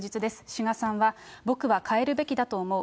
志賀さんは、僕は変えるべきだと思う。